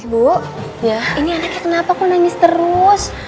bu ya ini anaknya kenapa kok nangis terus